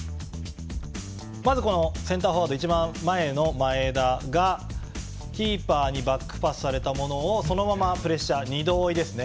まず、このセンターフォワードいちばん前の前田がキーパーにバックパスされたものをそのままプレッシャー二度追いですね。